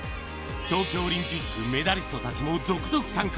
東京オリンピックメダリストたちも続々参加。